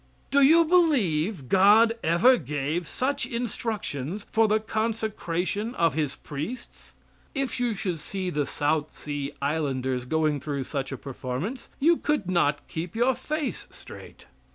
Do you believe God ever gave such instructions for the consecration of His priests? If you should see the South Sea Islanders going through such a performance you could not keep your face straight.